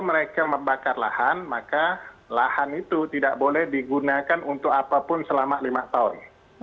tetapi sebagian sudah datang ke sekolah